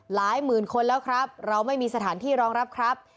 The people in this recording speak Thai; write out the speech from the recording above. หมื่นคนแล้วครับเราไม่มีสถานที่รองรับครับ